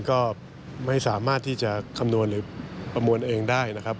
ก็ไม่สามารถที่จะคำนวณหรือประมวลเองได้นะครับ